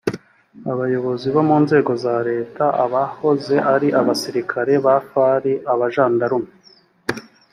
abayobozi mu nzego za leta abahoze ari abasirikare ba far abajandarume